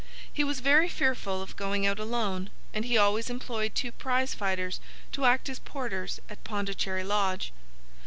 He was very fearful of going out alone, and he always employed two prize fighters to act as porters at Pondicherry Lodge.